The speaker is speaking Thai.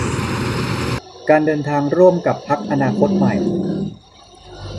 การเดินทางร่วมกับพรรคอนาคตใหม่